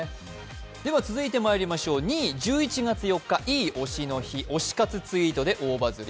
続いて２位、１１月４日、いい推しの日、推しかつツイートで大場刷り。